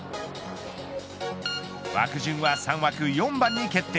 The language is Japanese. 枠順は３枠４番に決定。